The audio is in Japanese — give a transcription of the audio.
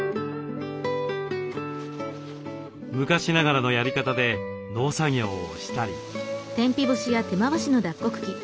昔ながらのやり方で農作業をしたり。